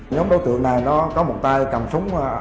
nhóm đấu tượng này nó có một tay cầm súng ak bảy